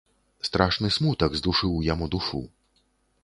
Страшны смутак здушыў яму душу.